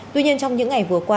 tuy nhiên trong những ngày vừa qua